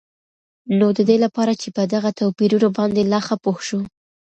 نو ددي لپاره چې په دغه توپيرونو باندي لا ښه پوه شو